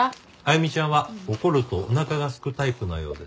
歩ちゃんは怒るとおなかがすくタイプのようです。